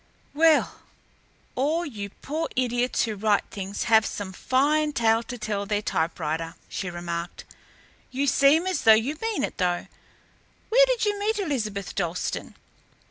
"Well, all you poor idiots who write things have some fine tale to tell their typewriter," she remarked. "You seem as though you mean it, though. Where did you meet Elizabeth Dalstan?"